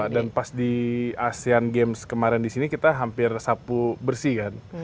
dan pas di asean games kemarin disini kita hampir sapu bersih kan